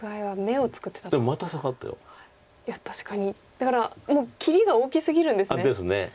だからもう切りが大きすぎるんですね。ですね。